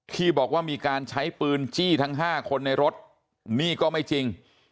ที่บอกว่ามีการใช้ปืนจี้ทั้ง๕คนในรถนี่ก็ไม่จริง